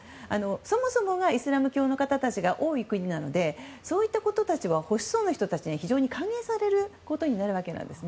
そもそもがイスラム教の方たちが多い国なのでそういったことは保守層の人たちには非常に歓迎されるわけです。